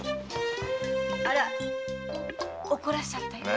あら怒らせちゃったよ。